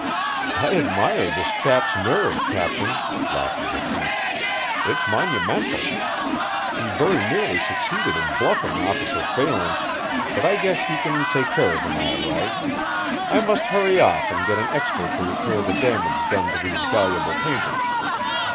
"I admire this chap's nerve, Captain," laughed the thief. "It's monumental. He very nearly succeeded in bluffing Officer Phelan, but I guess you can take care of him all right I must hurry off and get an expert to repair the damage done to these valuable paintings.